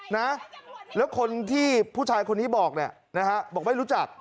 แล้วคนที่ผู้ชายคนนี้บอกบอกไม่รู้จัก